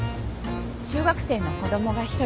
中学生の子供が１人。